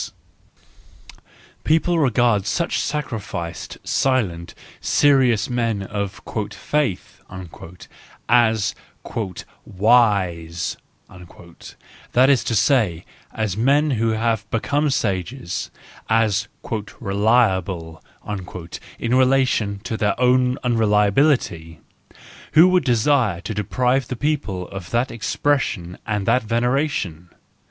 The people regard such sacrificed, silent, serious men of "faith" as " wise * 9 that is to say, as men who have become sages, as "reliable" in relation to their own unreliability. Who would desire to deprive the people of that expression and that veneration